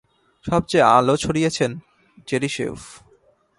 সবচেয়ে আলো ছড়িয়েছেন চেরিশেভ।